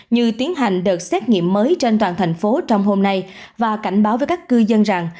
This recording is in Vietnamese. như tiến hành đợt xét nghiệm mới trên toàn thành phố trong hôm nay và cảnh báo với các cư dân rằng